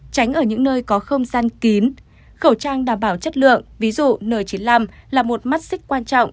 tránh ở những nơi có không gian kín khẩu trang đảm bảo chất lượng ví dụ n chín mươi năm là một mắt xích quan trọng